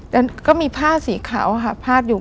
แล้วก็มีผ้าสีขาวค่ะพาดอยู่